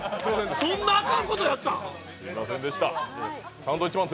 そんなあかんことやったの？